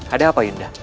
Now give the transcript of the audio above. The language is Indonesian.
ada apa yunda